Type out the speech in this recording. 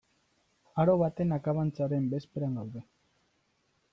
Aro baten akabantzaren bezperan gaude.